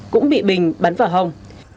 cũng bị bình bắn vào hông